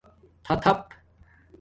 تھاتھپ